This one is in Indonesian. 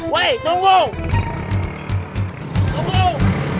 weh tunggu tunggu